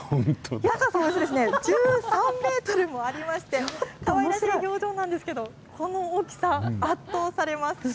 高さおよそ１３メートルもありまして、かわいらしい表情なんですけど、この大きさ、圧倒されます。